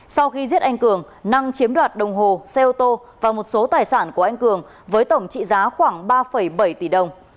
sau khi giết anh cường năng chiếm đoạt đồng hồ xe ô tô và một số tài sản của anh cường với tổng trị giá khoảng ba bảy tỷ đồng